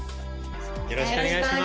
よろしくお願いします